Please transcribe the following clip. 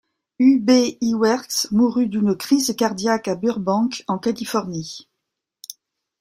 Ub Iwerks mourut d'une crise cardiaque à Burbank en Californie.